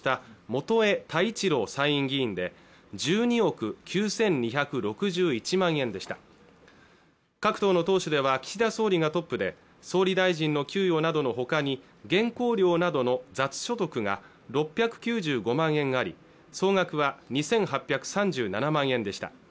元栄太一郎参院議員で１２億９２６１万円でした各党の党首では岸田総理がトップで総理大臣の給料などのほかに原稿料などの雑所得が６９５万円があり総額は２８３７万円でした